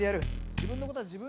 自分のことは自分でやる。